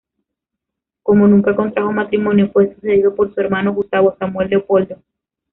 Como nunca contrajo matrimonio fue sucedido por su hermano Gustavo Samuel Leopoldo.